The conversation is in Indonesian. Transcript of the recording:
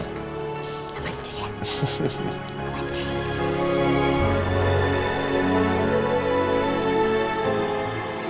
anjus atau oma